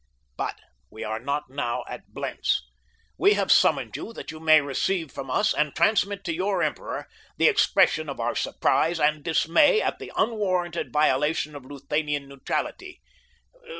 But we are not now at Blentz. We have summoned you that you may receive from us, and transmit to your emperor, the expression of our surprise and dismay at the unwarranted violation of Luthanian neutrality."